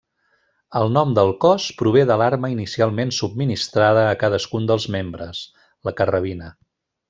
El nom del cos prové de l'arma inicialment subministrada a cadascun dels membres: la carrabina.